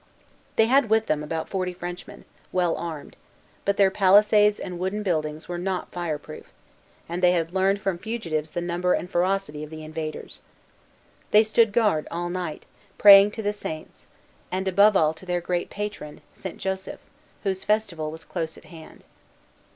They had with them about forty Frenchmen, well armed; but their palisades and wooden buildings were not fire proof, and they had learned from fugitives the number and ferocity of the invaders. They stood guard all night, praying to the Saints, and above all to their great patron, Saint Joseph, whose festival was close at hand.